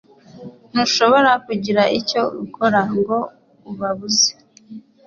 Ntushobora kugira icyo ukora ngo ubabuze